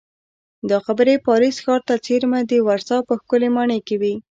دا خبرې پاریس ښار ته څېرمه د ورسا په ښکلې ماڼۍ کې وې